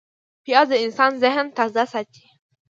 پیاز د انسان ذهن تازه ساتي